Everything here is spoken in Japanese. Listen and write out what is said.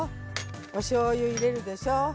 おしょうゆ入れるでしょ。